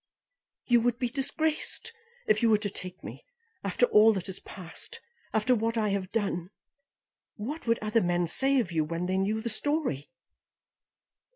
"You would be disgraced if you were to take me, after all that has passed; after what I have done. What would other men say of you when they knew the story?"